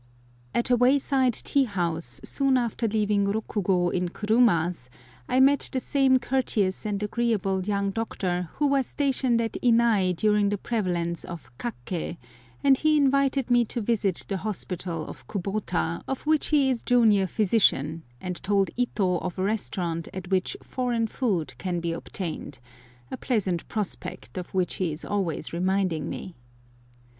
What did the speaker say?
AT a wayside tea house, soon after leaving Rokugo in kurumas, I met the same courteous and agreeable young doctor who was stationed at Innai during the prevalence of kak'ke, and he invited me to visit the hospital at Kubota, of which he is junior physician, and told Ito of a restaurant at which "foreign food" can be obtained—a pleasant prospect, of which he is always reminding me.